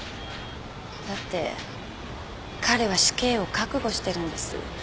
だって彼は死刑を覚悟してるんです。